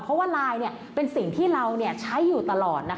เพราะว่าลายเป็นสิ่งที่เราใช้อยู่ตลอด